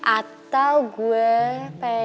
atau gue jalan ke temen gue sendiri